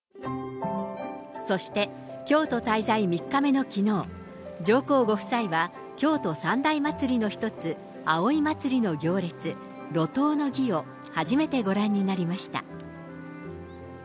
そして京都滞在３日目のきのう、上皇ご夫妻は京都三大祭りの一つ、葵祭の行列、路頭の儀を初めてご覧になりました。